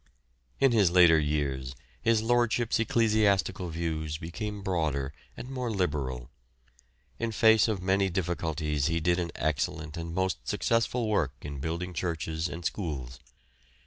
In his later years his Lordship's ecclesiastical views became broader and more liberal. In face of many difficulties he did an excellent and most successful work in building churches and schools.